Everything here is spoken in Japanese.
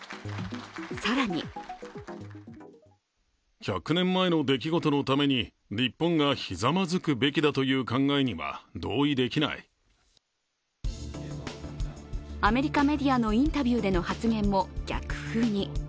更にアメリカメディアのインタビューの発言も逆風に。